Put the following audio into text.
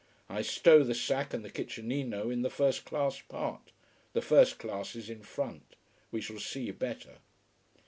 I stow the sack and the kitchenino in the first class part. The first class is in front: we shall see better.